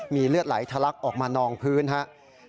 มีเลือดไหลทะลักออกมานองพื้นครับ